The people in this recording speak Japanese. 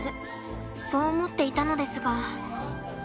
そう思っていたのですが。